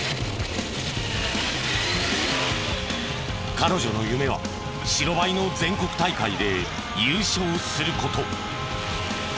彼女の夢は白バイの全国大会で優勝する事。